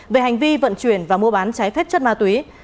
về hành vi vận chuyển và mua bán trái phép chất ma túy